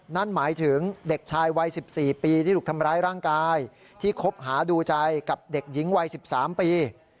นั่นหมายถึงเด็กชายวัย๑๔ปีที่ถูกทำร้ายร่างกายที่คบหาดูใจกับเด็กหญิงวัย๑๓ปี